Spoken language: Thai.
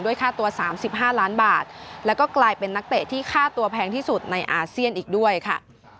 ค่าตัว๓๕ล้านบาทแล้วก็กลายเป็นนักเตะที่ค่าตัวแพงที่สุดในอาเซียนอีกด้วยค่ะ